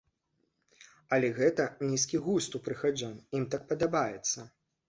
Але гэта нізкі густ у прыхаджан, ім так падабаецца.